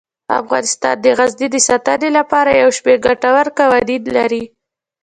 افغانستان د غزني د ساتنې لپاره یو شمیر ګټور قوانین لري.